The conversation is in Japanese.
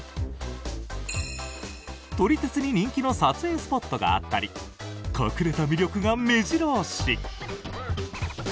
撮り鉄に人気の撮影スポットがあったり隠れた魅力がめじろ押し。